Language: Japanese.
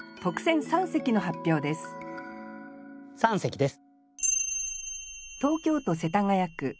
三席です。